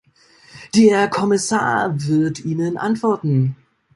Der Kommissar wird Ihnen antworten.